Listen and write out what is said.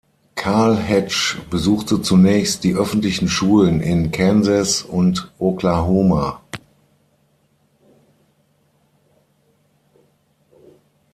Carl Hatch besuchte zunächst die öffentlichen Schulen in Kansas und Oklahoma.